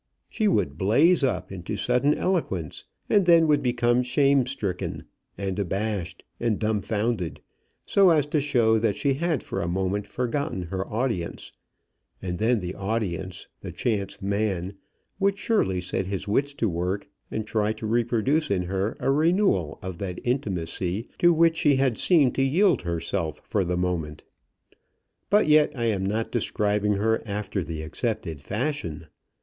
She would blaze up into sudden eloquence, and then would become shame stricken, and abashed, and dumfounded, so as to show that she had for a moment forgotten her audience, and then the audience, the chance man, would surely set his wits to work and try to reproduce in her a renewal of that intimacy to which she had seemed to yield herself for the moment. But yet I am not describing her after the accepted fashion.